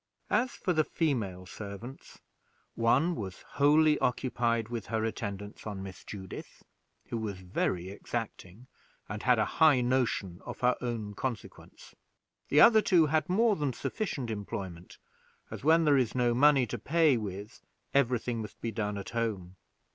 As for the female servants, one was wholly occupied with her attendance on Miss Judith, who was very exacting, and had a high notion of her own consequence. The other two had more than sufficient employment; as, when there is no money to pay with, every thing must be done at home.